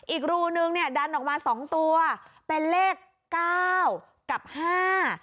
อีกรูนึงเนี่ยดันออกมาสองตัวเป็นเลขเก้ากับห้า